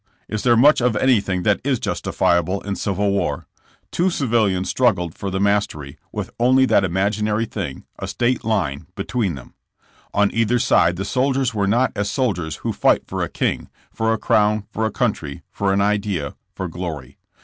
Is there much of anything that is justifiable in civil war? Two civilizations struggled for the mastery, with only that imaginary thing, a state line, between them. On either side the soldiers were not as soldiers who fight for a king, for a crown, for a country, for an idea, for glory.